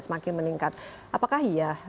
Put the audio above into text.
semakin meningkat apakah ya